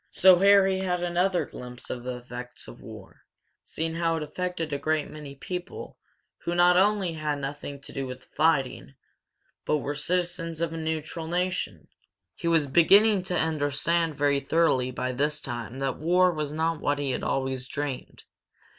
So Harry had another glimpse of the effects of war, seeing how it affected a great many people who not only had nothing to do with the fighting, but were citizens of a neutral nation. He was beginning to understand very thoroughly by this time that war was not what he had always dreamed.